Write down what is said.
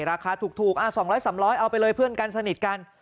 ราคาถูก๒๐๐๓๐๐เอาไปเลยเพื่อนกันสนิทกัน